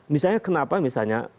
misalnya kenapa misalnya